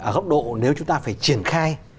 ở góc độ nếu chúng ta phải triển khai